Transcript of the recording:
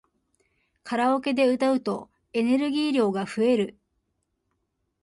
カラオケで歌うとエネルギー量が増える